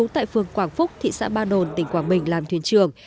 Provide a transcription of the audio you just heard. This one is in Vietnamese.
trường quảng phúc thị xã ba nồn tỉnh quảng bình làm thuyền trường